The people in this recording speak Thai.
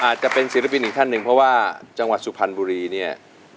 อาจจะเป็นศิลปินอีกท่านหนึ่งเพราะว่าจังหวัดสุพรรณบุรีเนี่ย